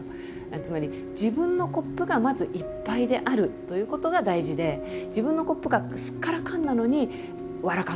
つまり自分のコップがまずいっぱいであるということが大事で自分のコップがすっからかんなのに笑か